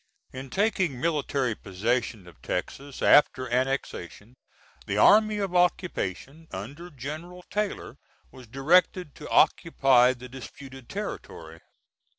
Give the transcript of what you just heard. In taking military possession of Texas after annexation, the army of occupation, under General Taylor, was directed to occupy the disputed territory.